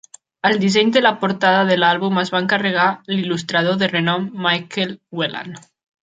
El disseny de la portada de l'àlbum es va encarregar a l'il·lustrador de renom Michael Whelan.